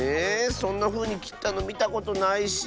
そんなふうにきったのみたことないし。